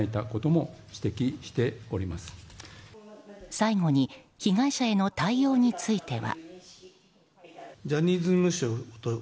最後に被害者への対応については。